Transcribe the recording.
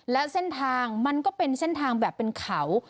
และเซ่นทางมันก็เป็นแบบเป็นเขา